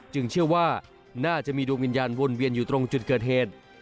เชื่อว่าน่าจะมีดวงวิญญาณวนเวียนอยู่ตรงจุดเกิดเหตุ